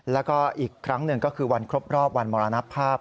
แล้วก็อีกครั้งหนึ่งก็คือวันครบรอบวันมรณภาพ